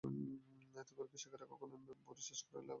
এতে করে কৃষকেরা কখনোই বোরো চাষ করে লাভের মুখ দেখতে পান না।